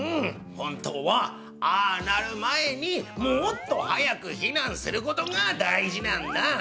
本当はああなる前にもっと早くひなんする事が大事なんだ。